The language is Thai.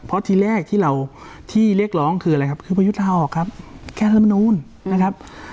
เพราะทีแรกที่เราที่เรียกร้องคืออะไรครับคือประยุทธาออกครับแก้รัฐมนูลนะครับ